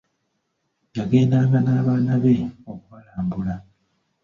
Yagendanga n'abaana be okubalambula.